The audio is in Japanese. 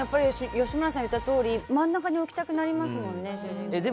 吉村さんが言ったとおり真ん中に置きたくなりますもんね、主人公。